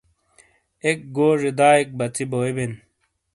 ایک گوزے دائیک بژی بوبین۔